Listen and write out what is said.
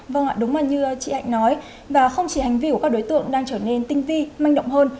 vâng ạ đúng như chị hạnh nói và không chỉ hành vi của các đối tượng đang trở nên tinh vi manh động hơn